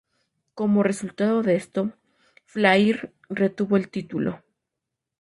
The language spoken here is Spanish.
Como resultado de esto, Flair retuvo el título.